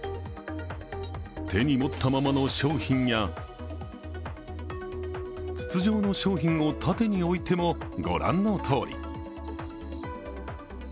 手に持ったままの商品や、筒状の商品を縦に置いても御覧のとおり。